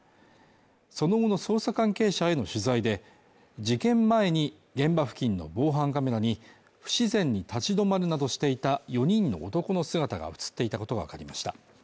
その後の捜査関係者への取材で事件前に現場付近の防犯カメラに不自然に立ち止まるなどしていた４人の男の姿が映っていたことが分かりました